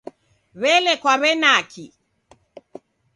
W'ele kwaw'enaki?